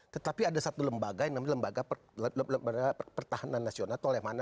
tetapi ada satu lembaga yang namanya lembaga pertahanan nasional